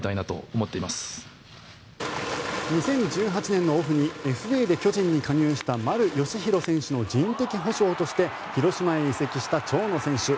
２０１８年のオフにＦＡで巨人に加入した丸佳浩選手の人的補償として広島へ移籍した長野選手。